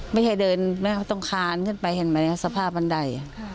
ไปใช่เดินแมวต้องคานขึ้นไปเห็นไหมสภาพเป็นใด